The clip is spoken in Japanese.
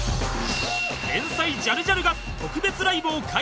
天才ジャルジャルが特別ライブを開催